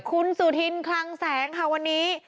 คุณสุธินคลังแสงค่ะวันนี้